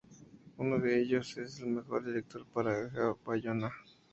Uno de ellos, el de Mejor Director para J. A. Bayona.